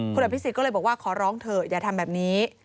คุณอภิษฎก็เลยบอกว่าขอร้องเถอะอย่าทำแบบนี้